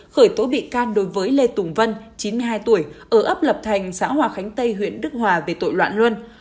khởi tố bị can đối với lê tùng vân chín mươi hai tuổi ở ấp lập thành xã hòa khánh tây huyện đức hòa về tội loạn luân